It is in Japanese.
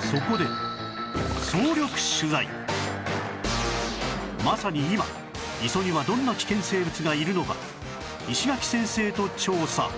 そこでまさに今磯にはどんな危険生物がいるのか石垣先生と調査